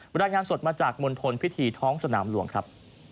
รายงานสดมาจากมณฑลพิธีท้องสนามหลวงครับ